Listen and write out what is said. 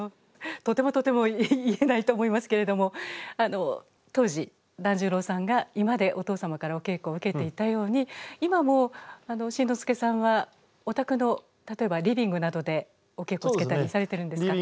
とてもとても言えないと思いますけれども当時團十郎さんが居間でお父様からお稽古を受けていたように今も新之助さんはお宅の例えばリビングなどでお稽古つけたりされてるんですか？